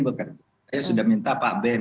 bekerja saya sudah minta pak bem